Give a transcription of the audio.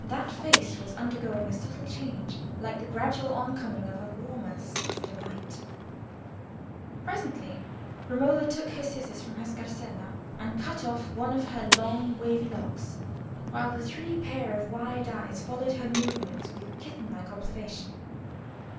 That face was undergoing a subtle change, like the gradual oncoming of a warmer, softer light. Presently Romola took her scissors from her scarsella, and cut off one of her long wavy locks, while the three pair of wide eyes followed her movements with kitten like observation.